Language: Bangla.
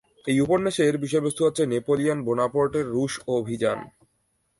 এই উপন্যাসের বিষয়বস্তু হচ্ছে নেপোলিয়ন বোনাপার্ট-এর রুশ অভিযান।